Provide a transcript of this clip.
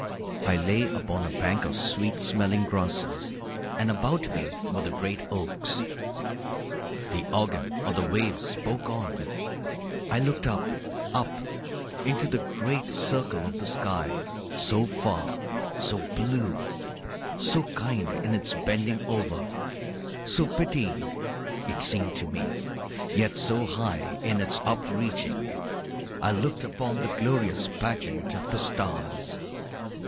I lay upon a bank of sweet smelling grasses, and about me were the great oaks. The organ, or the waves, spoke on. I looked up, up, into the great circle of the sky, so far, so blue, so kind in its bending over, so pitying it seemed to me, yet so high in its up reaching. I looked upon the glorious pageant of the stars.